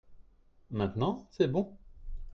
maintenant c'est bon.